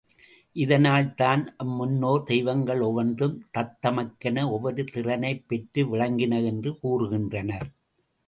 இதனால் தான் அம்முன்னோர் தெய்வங்கள் ஒவ்வொன்றும் தத்தமக்கென ஒவ்வொரு திறனைப் பெற்று விளங்கின என்று கூறுகின்றனர்.